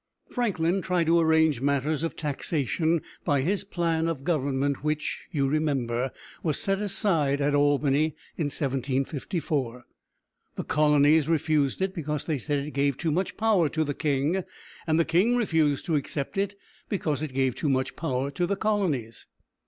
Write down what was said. Franklin tried to arrange matters of taxation by his plan of government, which, you remember, was set aside at Albany (1754). The colonies refused it because they said it gave too much power to the king; and the king refused to accept it because it gave too much power to the colonies.